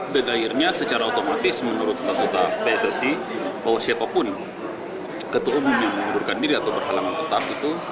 dan akhirnya secara otomatis menurut pak dukta pssi bahwa siapapun ketua umum yang mundurkan diri atau berhalangan tetap itu